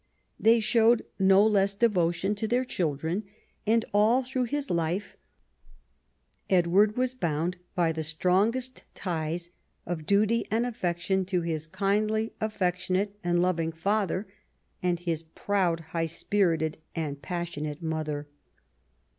They showed no less devotion to their children, and all through his life Edward was bound by the strongest ties of duty and aff"ection to his kindly, affectionate, and loving father, and his proud, high spirited, and passion ate mother.